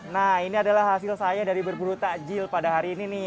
nah ini adalah hasil saya dari berburu takjil pada hari ini nih